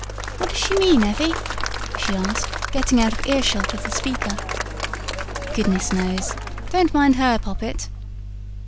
What does she mean, Evvy?" she asked getting out of earshot of the speaker. "Goodness knows. Don't mind her, Poppet."